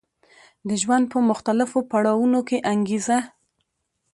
د ژوند په مختلفو پړاوونو کې انګېزه